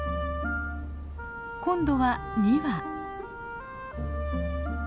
今度は２羽。